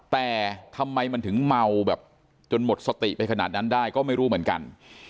แต่ทำไมมันถึงเมาแบบจนหมดสติไปขนาดนั้นได้ก็ไม่รู้เหมือนกัน